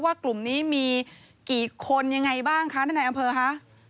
ว่ากลุ่มนี้มีกี่คนยังไงบ้างคะนายอำเภอค่ะ